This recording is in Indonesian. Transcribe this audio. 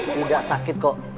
tidak sakit kok